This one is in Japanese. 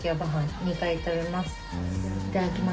いただきます。